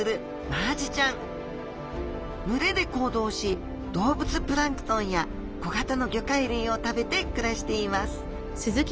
群れで行動し動物プランクトンや小型の魚介類を食べて暮らしています